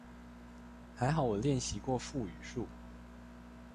還好我練習過腹語術